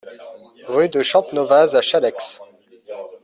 Rue de Champnovaz à Challex